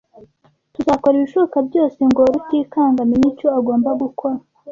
Tuzakora ibishoboka byose ngo Rutikanga amenye icyo agomba gukora.